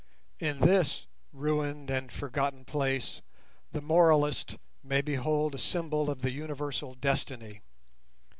In this ruined and forgotten place the moralist may behold a symbol of the universal destiny.